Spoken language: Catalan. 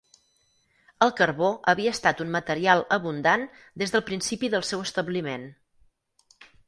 El carbó havia estat un material abundant des del principi del seu establiment.